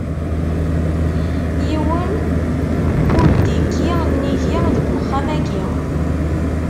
Yiwen ur d-ikki nnig-i deg wexxam-agi.